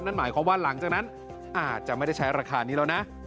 นั่นหมายความว่าหลังจากนั้นอาจจะไม่ได้ใช้ราคานี้แล้วนะ